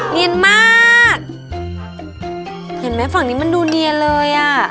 เนียนมากเห็นไหมฝั่งนี้มันดูเนียนเลยอ่ะ